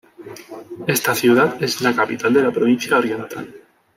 Esta ciudad es la capital de la provincia Oriental.